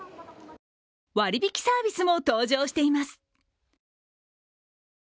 割引サービスも登場しています。